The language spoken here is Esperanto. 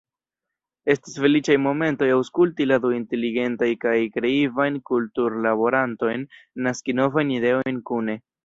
Estis feliĉaj momentoj aŭskulti la du inteligentajn kaj kreivajn ”kulturlaborantojn” naski novajn ideojn kune.